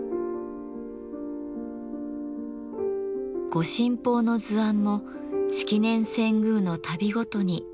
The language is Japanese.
御神宝の図案も式年遷宮のたびごとに写されてきました。